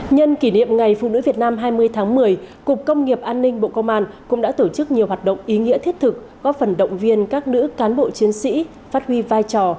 nhân kỷ niệm ngày phụ nữ việt nam hai mươi tháng một mươi cục công nghiệp an ninh bộ công an cũng đã tổ chức nhiều hoạt động ý nghĩa thiết thực góp phần động viên các nữ cán bộ chiến sĩ phát huy vai trò